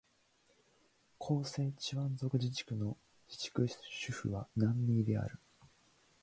広西チワン族自治区の自治区首府は南寧である